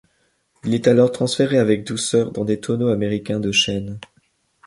Il est alors transféré avec douceur dans des tonneaux américains de chêne.